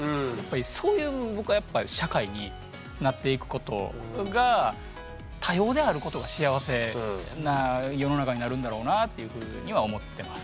そういう僕はやっぱ社会になっていくことが多様であることが幸せな世の中になるんだろうなっていうふうには思ってます。